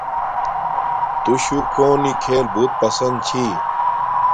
تو شوہ کونی کیھل بوت پسند چھی